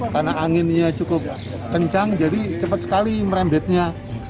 karena anginnya cukup kencang jadi cepat sekali merembetnya